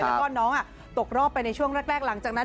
แล้วก็น้องตกรอบไปในช่วงแรกหลังจากนั้น